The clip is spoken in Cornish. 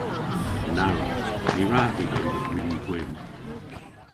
Na wra. Ny wra hi eva gwin gwynn.